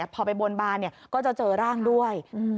พอไปบนบานก็จะเจอร่างด้วย